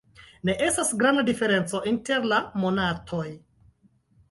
Ne estas granda diferenco inter la monatoj.